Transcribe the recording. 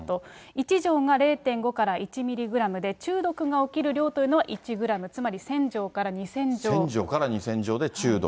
１錠が０．５から１ミリグラムで、中毒が起きる量というのは１グラム、１０００錠から２０００錠で中毒。